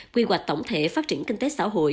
quy hoạch tổng thể phát triển kinh tế xã hội